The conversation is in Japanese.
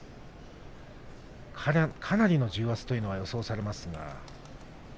かなりの重圧ということが予想されますが。